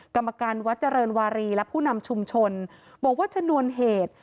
กรรมการวัดเจริญวารีและผู้นำชุมชนบอกว่าชนวนเหตุ